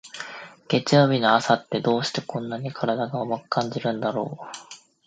月曜日の朝って、どうしてこんなに体が重く感じるんだろう。